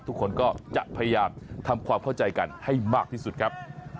ทุกคนก็จะพยายามทำความเข้าใจกันให้มากที่สุดครับ